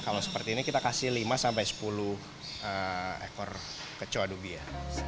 kalau seperti ini kita kasih lima sampai sepuluh ekor kecoa dubi ya